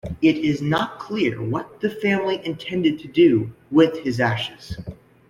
It is not clear what the family intended to do with his ashes.